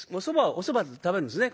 おそばを食べるんですね